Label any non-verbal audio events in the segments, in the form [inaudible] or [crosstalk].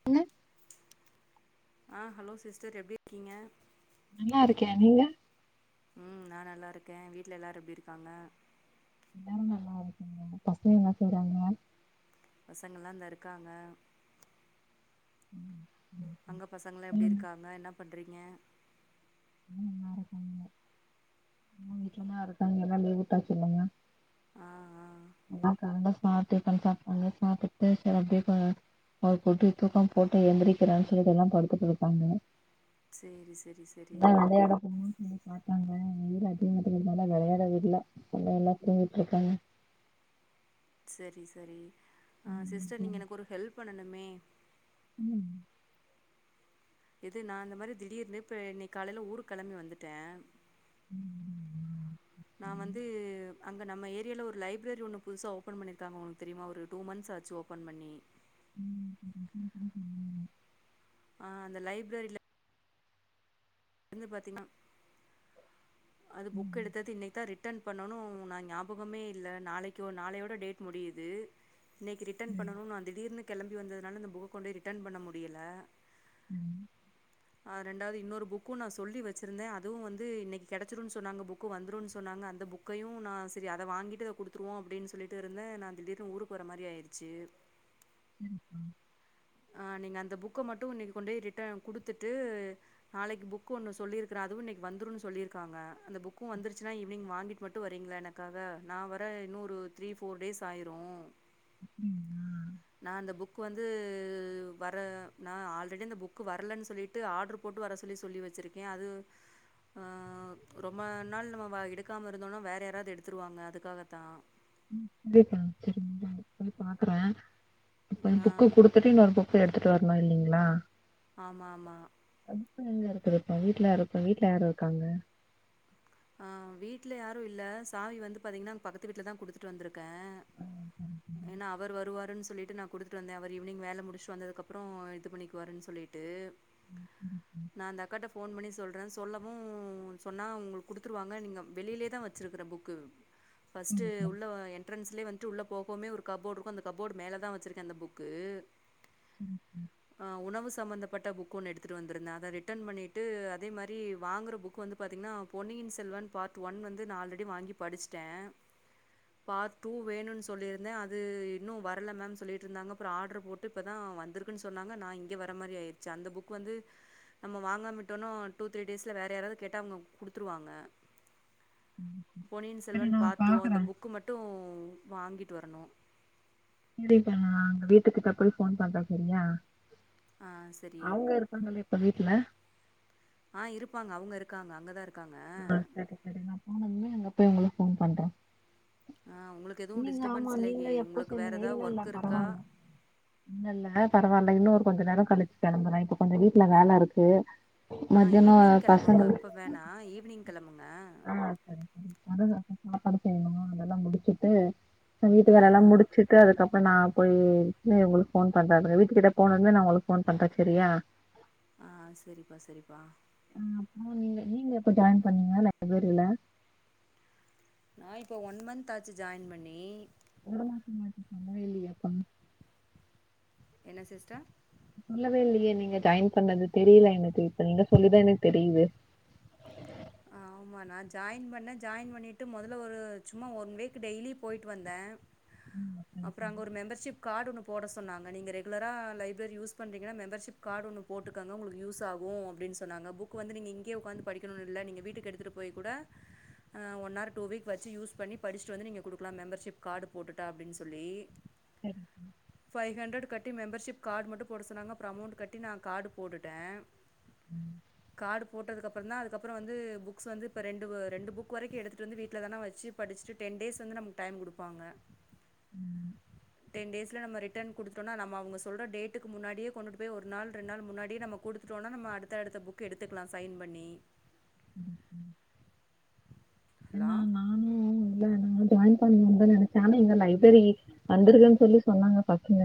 என்ன ஆ hello sister எப்டி இருக்கீங்க நல்லா இருக்கே நீங்க ம் நா நல்லா இருக்கே வீட்ல எல்லாரு எப்டி இருக்காங்க எல்லாரு நல்லா இருக்காங்க பசங்க என்னா செய்றாங்க பசங்களா இந்தா இருக்காங்க ம் அங்க பசங்கலா எப்டி இருக்காங்க என்னா பண்றீங்க ம் நல்லா இருக்காங்க [unintelligible] கரக்காங்கி எல்லா லிவு உட்டாச்சி இல்லங்க ஆ ஆ என்னா காண்ட சாத்து டிப்பன் கா ஒன்னு சாப்டுட்டு செரி அப்டியே போ ஒரு குட்டி தூக்கம் போட்டு எந்திரிக்கிறன்னு சொல்லிட்டு எல்லாம் படுத்துட்டு இருக்காங்க சேரி செரி செரி அதா வெளையாட போணு இ காப்பாங்க வெயில் அதிகமா இருக்றனால விளையாட விடுல விளையாட கூவுட்டு இருக்காங்க சரி சரி ஆ ம் சிஸ்டர் ம் நீங்க எனக்கு ஒரு ஹெல்ப் பண்ணணுமே ம் இது நான் அந்தந்த மாரி திடீர்னு பே இன்னைக்கு காலேல ஊரு கிளம்பி வந்துட்ட அம் ம், ம், ம், நா ம், வந்து அங்க நம்ம ஏரியால ஒரு லைப்ரரி ஒன்னு புதுசா ஓப்ப பண்ணிருக்காங்க உங்ளுக் தெரியுமா ஒரு டூ மந்த்ஸ் ஆச்சி ஓப்பன் பண்ணி உம் ஆ அந்த லைப்ரரில இந்து பாத்தீங்கா அது புக் ம், எடுத்தது இன்னைக்கு தா ரிட்டன் பண்ணு நான் ஆஃப் ஞாபகமே இல்ல நாளைக்கோ நாளையோட டேட் முடியுது இன்னைக்கு ரிட்டன் ம், ம், பண்ணணு நா திடீர்னு கிளம்பி வந்ததுனால இந்த புக் கொண்டே ரிட்டன் பண்ண முடியல ம் ஆ ரெண்டாவது இன்னொரு புக் கு நா சொல்லி வச்சிருந்த அவு வந்து இன்னைக்கு கிடச்சிருன் சொன்னாங்க புக்கு வந்துடுன்னு சொன்னாங்க அந்த புக் கையு நா சரி அத வாங்கிட்டு அத குடுத்துருவோ அப்டின் சொல்லிட்டு இருந்த நா திடீர் ஊர் போறமாரி ஆயிடுச்சி ம் [inaudible] ஆ நீங்க அந்த புக்க மட்டு இன்னைக்கு கொண்டே ரிட்ட குடுத்துட்டு நாளைக்கு புக்கு ஒன்னு சொல்லிருக்ற அதுவு இன்னைக்கு வந்துருன்னு சொல்லியிருக்காங்க அந்த புக்கு வந்துருச்சின்னா ஈவினிங் வாங்கிட்டு மட்டு வரீங்களா எனக் க்காக நா வர இன்னு ஒரு த்ரீ ஃபோர் டேஸ் ஆயிரு க் ம் நா அந்த புக் வந்து இது வர நா ஆல்ரெடி அந்த புக் வரலன்னு சொல்லிட்டு ஆர்டர் போட்டு வர சொல்லி சொல்லி வச்சிருக்கே அது ஆம் ரொம்ப நாள் நம்ம வா எடுக்காம இருந்தோம்னா வேறு யாராவது எடுத்துருவாங்க அதுக்காகத்தா சரிப்பா சரி [inaudible] பாக்குற இப்ப ஆ புக்கு குடுத் தின்னு ஒரு புக் எடுத்துட்டு வரணு இல்லீங்ளா ஆமா ஆமா அதுப்ப எங்க இருக்குரப்ப வீட்ல யா இருப்பா வீட்ல யாரு இருக்காங்க வீட்ல யாரு இல்ல சாவி வந்து பாத்தீங்னா அங்க பக்கத்து வீட்ல தா குடுத்துட்டு வந்துருக்க ஏனா அவரு வருவானு சொல்லிட்டு நா குடுத்துட்டு வந்த அவர் ஈவினிங் வேல முடிச்சுட்டு வந்ததுக்கப்ரோ இது பண்ணிக்குவாருன்னு சொல்லிட்டு நா அந்த அக்காட்ட போன் பண்ணி சொல்ற சொல்லவு சொன்னா உங்ளுக் குடுத்துருவாங்க நீங்க வெளிலே தா வச்சிருக்க புக்கு ஃபர்ஸ்ட் சரிக்கா, உள்ள வா எண் என்ட்ரன்ஸ்லேயே வந்துட்டு உள்ள போபோமே ஒரு கபோர்டு இருக்கு அந்த கப்போர்டு மேல தா வச்சிருக்க அந்த புக்கு ம் ம் ஆ உணவு சம்மந்தப்பட்ட புக்கு ஒன்னு எடுத்துகிட்டு வந்திருந்தேன்ஷஷ அதை ரிட்டர்ன் பண்ணிட்டு அதே மாதிரி வாங்குற வந்து பாத்தீங்கன்னா பொன்னியின் செல்வன் பார்ட் ஒன் வந்து நா ஆல்ரெடி வாங்கி படிச்சிட்ட பாட் டூ வேணுன்னு சொல்லியிருந்த அது இன்னு வரல மேம்னு சொல்லிட்டு இருந்தாங்க அப்ரோ ஆர்டர் போட் இப்பதா வந்திருக்குன்னு சொன்னாங்க நா இங்க வற மாரி ஆயிடுச்சி அந்த புக் வந்து நம்ம வாங்காமிட்டோனா டூ த்ரீ டேஸ்ல வேற யாராவது கேட்டாங்கம் குடுத்துருவாங்க பொன்னியின் சரி செல்வன் நா பார்ட் டூ அந்த பாக்குறே புக் மட் ட்டு வாங்கிட்டு வரணு சரிக்கா நா அங்க வீட்டுக்குகிட்ட போய் ஃபோன் பண்ற சரியா ஆ சரி [unintelligible] இப்ப வீட்ல ஆ இருப்பாங்க அவுங்க இருக்காங்க அங்கதா இரு ஆ சரி சரி நா போனதுமே அங்க போய் உங்களுக்கு ஃபோன் பண்ற ஆ உங்களுக்கு எதுவும் நீங்க ஆமா டிஸ்டர்பன்ஸ் நீங்க இல்லையே எப்போ உங்களுக்கு வேறு சேந்தீங்க ஏதாவது இல்லெல்ல ஒர்க் இருக்கா பரவால்ல இன்ன இல்ல பரவால்ல இன்னு ஒரு கொஞ்சோ நேரோ கழிச்சு கிளம்புறே இப்ப கொஞ்சோ வீட்ல வேலை இருக்கு மதியனோ பசங்களுக் வேணா ஈவினிங் கெளம்புங்க ஆ சரி அதுதா சாப்பாடு செய்ணு அதெல்லா முடிச்சுட்டு ஆ வீட்டுவேலயில்லா ஆ முடிச்சுட்டு அதுக்கப்றோ நா போய்ட்டு உங்களுக்கு ஃபோன் பண்ற அப்றோ வீட்டு கிட்ட போனதுந்தமே நா உங்களுக்கு ஃபோன் பண்ற சரியா ஆ செரிப்பா செரிப்பா ஆ அறப்றோ நீங்க நீங்க எப்ப ஜாயின் பண்ணீங்க லைப்ரியில நா இப்போ ஒன் மந்த்த் ஆச்சு ஜாயின் பண்ணி ஒரு மாசோ மாட்டி சொல்லவே இல்லயே [unintelligible] என்ன சிஸ்டர் சொல்லவே இல்லையே நீங்க ஜாயின் பண்ணது தெரியல எனக்கு இப்ப நீங்க சொல்லிதா எனக்கு தெரிது ஆமா நா ஜாயின் பண்ண ஜாயின் பண்ணிட்டு மொதல்ல ஒரு சும்மா ஒன் வீக் டெய்லியு போயி்ட்டு வந்த ம், சரி, அப்றோ அங்க சரி, ஒரு மெம்பர்ஷிப் கார்டு ஒன்னு போட சொன்னாங்க நீங்க ரெகுலரா லைப்ரரி யூஸ் பண்றீங்கன்னா மெம்பர்ஷிப் கார்டு ஒன்னு போட் டுகோங்க உங்ளுக்கு யூஸ் ஆகு அப்டின்னு சொன்னாங்க புக் வந்து நீங்க இங்கே உக்காந்து படிக்கணுனு இல்ல நீங்க வீட்டுக்கு எடுத்துட்டு போய் கூட ஒன் ஆர் டூ வீக் வச்சு யூஸ் பண்ணி படிச்சுட்டு வந்து நீங்க குடுக்கலா மெம்பர்ஷிப் கார்டு போட்டுட்டா அப்டின்னு சொல்லி சரிங்க ஃபைவ் ஹண்ட்ரட் கட்டி மெம்பர்ஷிப் கார்டு மட்டு போட சொன்னாங்க அப்றோ அமௌண்ட் கட்டி நா கார்டு போட்டுட்ட கார்டு போட்டதுக்கப்புறோ தா அதுக்கப்றோ வந்து புக்ஸ் வந்து இப்போ ரெண்டு ரெண்டு புக் வரைக்கு எடுத்துட்டு வந்து வீட்ல தானே வச்சு படிச்சுட்டு டென் டேஸ் வந்து நமக்கு டைம் குடுப்பாங்க ம். [unintelligible] டென் டேஸ்ல நம்ம ரிட்டன் குடுத்துடோனா நம் அவுங்க சொல்ற டேக்கு முன்னாடியே கொண்டு போய் ஒரு நாள் ரெண்டு நாள் முன்னாடி நம்ம குடுத் துடோனா நம்ம அடுத்த அடுத்தபுக் எடுத்துக்குலா சைன் பண்ணி என்னாமா லாம் நானு உள்ள ஜாயின் பண்ணுனு தா நெனைச்சே ஆனா இங்க லைப்ரரி வந்துருக்குன்னு சொல்லி சொன்னாங்க பசங்க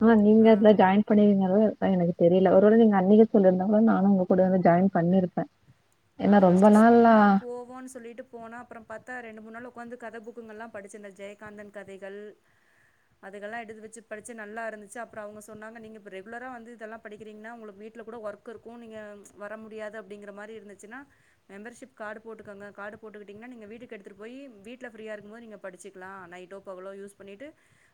ஆனா நீங்க ஆ அதுல ஜாயின் பண்ணுவீங்கறது எனக்கு தெரில ஒருவேல நீங்க அன்னைக்கே சொல்லியிருந்தாலு நானு உங்க கூட வந்து ஜாயின் பண்ணிருப்பே நான் ஃபர்ஸ்ட்டு சும்மா போ போ சொல்லிட்டு போனா அப்றோ பாத்தா ரெண்டு மூணு நாள் உக்காந்து கத புக்குங்கள எல்லா படிச்ச இந்த ஜெயகாந்தன் கதைகள் அதுகயெல்லா எடுத்து வச்சு படிச்சு நல்லா இருந்துச்சு அப்றோ அவுங்க சொன்னாங்க நீங்க இப்போ ரெகுலராக வந்து இது எல்லா படிக்கிறீங்கன்னா உங்களுக்கு வீட்ல கூட ஒர்க் இருக்கு நீங்க வர முடியாது அப்டிங்கிற மாதிரி இருந்துச்சுன்னா மெம்பர்ஷிப் கார்டு போட்டுக்கங்க கார்டு போட்டுக்கிட்டீங்கன்னா வீட்டுக்கு எடுத்துட்டு போயி வீட்ல ஃப்ரீயா இருக்கு போது நீங்க படிச்சிக்லா நைட்டோ பகலோ யூஸ் பண்ணிட்டு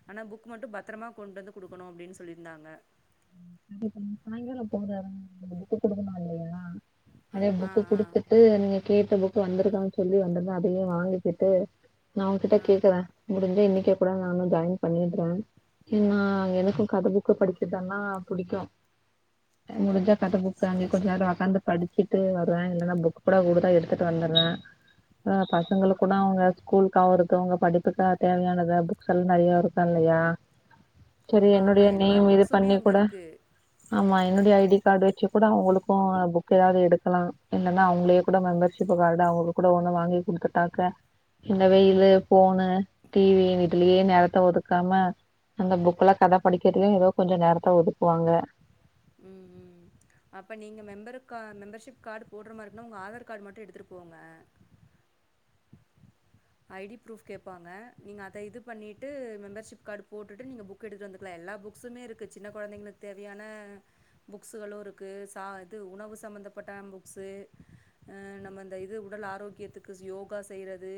ஆனா புக் மட்டு பத்திரமா கொண்டு வந்து குடுக்குணு அப்டின்னு சொல்லி இருந்தாங்க அது சாயங்காலோ போங்க அப்டி புக் குடுக்குனு இல்லியா அதே ஆ புக் ஆ குடுத்துட்டு நீங் கேட்ட புக்கு வந்துருக்கான் சொல்லி வந்துருந்தா அதையு வாங்கிக்கிட்டு நா உங்கிட்ட ஆ கேக்குவே முடுஞ்சா இன்னக்கே கூட நானு ஜாயின் பண்ணிட்றே ஏன்னா எனக்கு கத புக்கு படிக்கதனா புடிக்கு முடுஞ்சா கத புக்கு அங்கெ சரி கொஞ்ச நேரொ சரி ஒக்காந்து படிச் சுட்டு வருவவே இல்லன்னா புக் கூட [unintelligible] எடுத்துட்டு வந்துருவே அ பசங்களுக்குனா அவுங்க ஸ்கூல்க்கு ஆவுறது அவுங்க படிப்புக்க தேவையானத கள் நெறைய இருக்கா இல்லையா சரி ஆமா ஆமா என்னுடைய எல்லா நேம் இது புக்ஸ்ஸுமே பண்ணி அங்க கூட இருக்கு ஆமா என்னுடைய ஐடி காடு வச்சு கூட அவுங்களுக்கு புக் ஏதாவ்து எடுக்கலா இல்லன்னா அவுங்களே கூட மெம்பர்ஷிப்பு காடு அவுங்களுக் கூட ஒன்னு வாங்கி குடுத்துட்டாக்க இந்த வெயிலு ஃபோனு டி வி இதுலே நேரத்த ஒதுக்காம அந்த புக்ல கத படிக்கிறது ஏதோ கொஞ்ச நேரத்த ஒதுக்குவாங்க ம் ம் அப்ப நீங்க மெம்பருக்கா மெம்பர்ஷிப் காடு போடுற மாரினா உங்க ஆதார் காடு மட்டு எடுத்துட்டு போங்க [inaudible] ஐடி ஃப்ரூஃப் கேப்பாங்க நீங்க அத இது பண்ணிட்டு மெம்பர்ஷிப் காடு போட்டுட்டு நீங்க புக் புக் எடுத்துட் வந்துக்கலா எல்லா புக்ஸுமே இருக்கு சின்ன கொழந்தைங்ளுக் தேவையான புக்ஸ்ஸுகளு இருக்கு சா இது உணவு சம்மந்தப்பட்ட புக்ஸ்ஸு அ நம்ம இந்த இது உடல் ஆரோக்கியத்துக்கு யோகா செய்றது